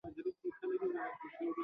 سرعت د فریکونسي تابع دی.